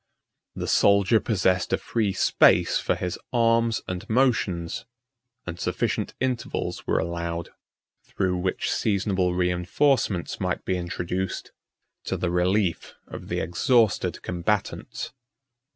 The soldier possessed a free space for his arms and motions, and sufficient intervals were allowed, through which seasonable reinforcements might be introduced to the relief of the exhausted combatants.